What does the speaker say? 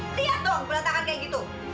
lihat dong berantakan kayak gitu